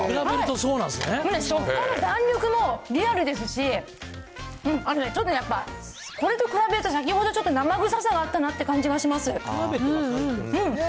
食感も弾力もリアルですし、あのね、ちょっとやっぱりこれと比べると、先ほどちょっと生臭さがあったなという感じがします。